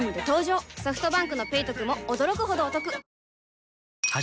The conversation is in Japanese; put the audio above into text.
ソフトバンクの「ペイトク」も驚くほどおトク